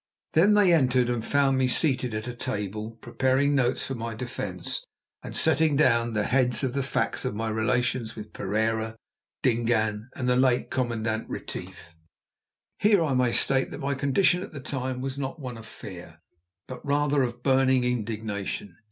Then they entered and found me seated at a table preparing notes for my defence and setting down the heads of the facts of my relations with Pereira, Dingaan, and the late Commandant Retief. Here I may state that my condition at the time was not one of fear, but rather of burning indignation.